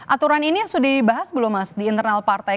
aturan ini sudah dibahas belum mas di internal partai